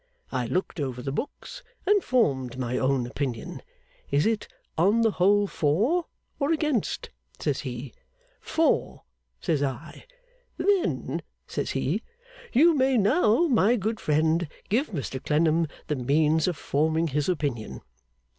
I looked over the books, and formed my own opinion. "Is it, on the whole, for, or against?" says he. "For," says I. "Then," says he, "you may now, my good friend, give Mr Clennam the means of forming his opinion.